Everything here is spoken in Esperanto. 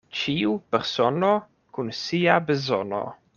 Ĉiu persono kun sia bezono.